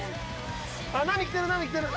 あっ波来てる波来てる。